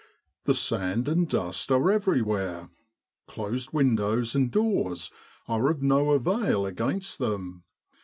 The sand and dust are everywhere. Closed windows and doors are of no avail against them.